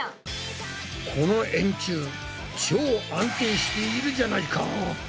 この円柱超安定しているじゃないか！